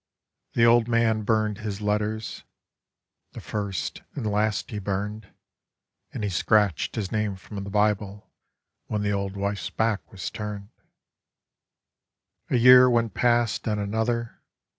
The old man burned his letters, the first and last he burned, And he scratched his name from the Bible when the old wife's back was turned. A year went past and another.